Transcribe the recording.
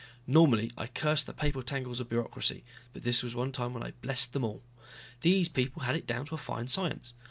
Normally I curse the paper tangles of bureaucracy, but this was one time when I blessed them all. These people had it down to a fine science.